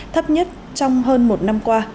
thấp nhất trong hơn một năm qua